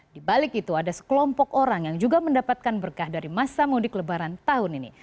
di balik itu ada sekelompok orang yang juga mendapatkan berkah dari masa mudik lebaran tahun ini